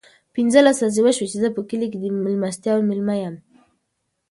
پینځلس ورځې وشوې چې زه په کلي کې د مېلمستیاوو مېلمه یم.